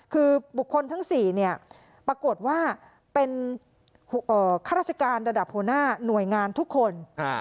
คือบุคคลทั้ง๔เนี่ยปรากฏว่าเป็นข้าราชการระดับหัวหน้าหน่วยงานทุกคน